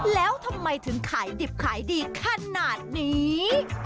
แล้วทำไมถึงขายดิบขายดีขนาดนี้